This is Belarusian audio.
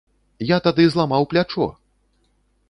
Я тады зламаў плячо!